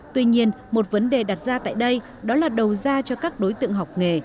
tuy nhiên một vấn đề đặt ra tại đây đó là đầu ra cho các đối tượng học nghề